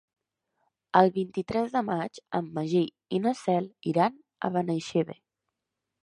El vint-i-tres de maig en Magí i na Cel iran a Benaixeve.